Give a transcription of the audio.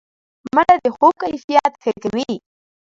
منډه د خوب کیفیت ښه کوي